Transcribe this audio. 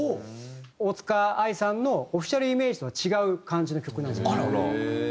大塚愛さんのオフィシャルイメージとは違う感じの曲なんじゃないかと。